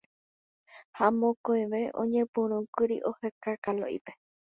Ha mokõive oñepyrũkuri oheka Kalo'ípe